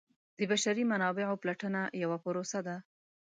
د بشري منابعو پلټنه یوه پروسه ده.